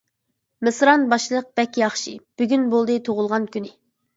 مىسران باشلىق بەك ياخشى، بۈگۈن بولدى تۇغۇلغان كۈنى.